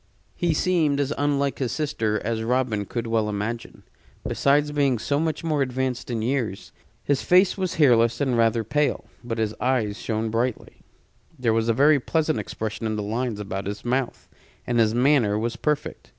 He seemed as unlike his sister as Robin could well imagine, besides being so much more advanced in years. His face was hairless and rather pale; but his eyes shone brightly. There was a very pleasant expression in the lines about his mouth, and his manner was perfect.